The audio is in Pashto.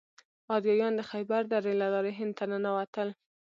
آریایان د خیبر درې له لارې هند ته ننوتل.